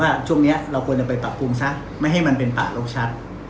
ช่วงนี้เราควรจะไปปรับปรุงซะไม่ให้มันเป็นป่าโลกชัด